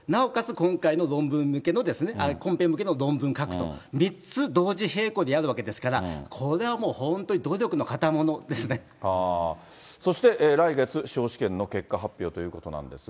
今回の論文向けの、コンペ向けの論文書くと、３つ同時並行でやるわけですから、これはもう、そして来月、司法試験の結果発表ということなんですが。